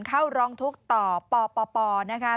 เข้าร้องทุกข์ต่อปปนะคะ